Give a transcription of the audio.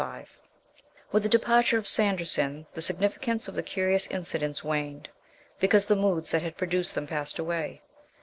~V~ With the departure of Sanderson the significance of the curious incidents waned, because the moods that had produced them passed away.